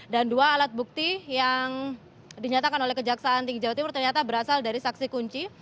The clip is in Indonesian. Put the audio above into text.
dan dua alat bukti yang dinyatakan oleh kejaksaan tinggi jawa timur ternyata berasal dari saksi kunci